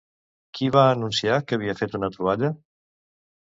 Qui va anunciar que havia fet una troballa?